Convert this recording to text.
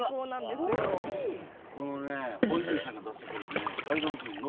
このね保泉さんが出してくるね。